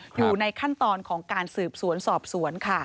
อยู่ในขั้นตอนของการสืบสวนสอบสวนค่ะ